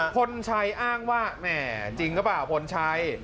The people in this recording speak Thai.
พลชายอ้างว่าแหมจริงกับป่ะพลชาย